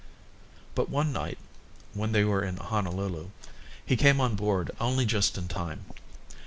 But one night, when they were in Honolulu, he came on board only just in time.